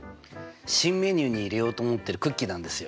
新メニューに入れようと思ってるクッキーなんですよ。